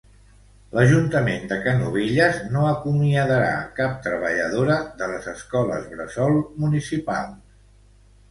L'ajuntament de Canovelles no acomiadarà a cap treballadora de les escoles bressol municipals.